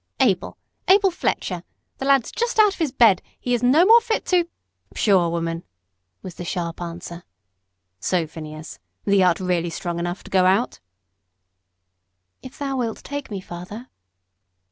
"Abel Abel Fletcher! the lad's just out of his bed; he is no more fit to " "Pshaw, woman!" was the sharp answer. "So, Phineas, thee art really strong enough to go out?" "If thou wilt take me, father."